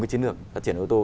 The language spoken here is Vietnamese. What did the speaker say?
cái chiến lược phát triển ô tô